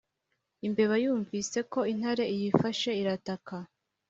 imbeba yumvise ko intare iyifashe irataka